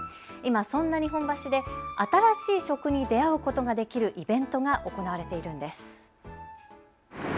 今、そんな日本橋で新しい食に出会うことができるイベントが行われているんです。